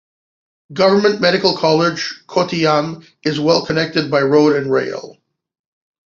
Government Medical College, Kottayam is well connected by road and rail.